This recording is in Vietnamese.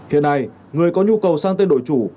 hiện nay người có nhu cầu sang tên đội chủ